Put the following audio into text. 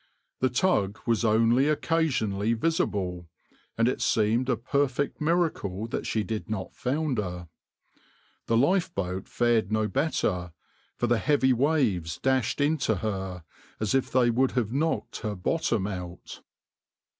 The tug was only occasionally visible, and it seemed a perfect miracle that she did not founder. The lifeboat fared no better, for the heavy waves dashed into her as if they would have knocked her bottom out.